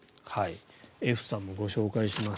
Ｆさん、ご紹介します。